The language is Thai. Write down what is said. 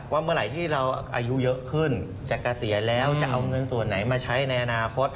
เมื่อไหร่ที่เราอายุเยอะขึ้นจะเกษียณแล้วจะเอาเงินส่วนไหนมาใช้ในอนาคต